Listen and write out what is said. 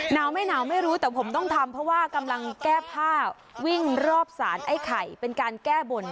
หนาวไม่หนาวไม่รู้แต่ผมต้องทำเพราะว่ากำลังแก้ผ้าวิ่งรอบสารไอ้ไข่เป็นการแก้บน